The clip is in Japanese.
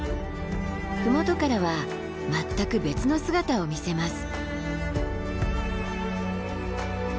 麓からは全く別の姿を見せます。